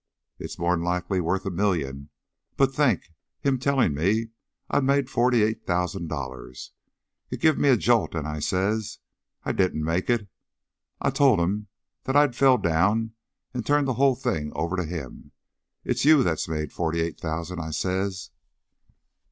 "It's more 'n likely wuth a million. But think! Him tellin' me I'd made forty eight thousand dollars! It give me a jolt, an' I says I didn't make it. I told him I'd fell down an' turned the hull thing over to him. 'It's you that's made forty eight thousand,' I says."